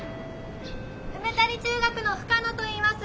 梅谷中学の深野といいます。